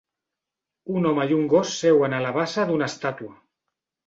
Un home i un gos seuen a la base d'una estàtua.